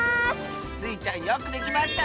スイちゃんよくできました！